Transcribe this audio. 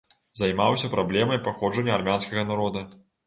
Займаўся праблемай паходжання армянскага народа.